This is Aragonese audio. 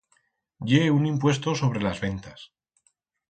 Ye un impuesto sobre las ventas.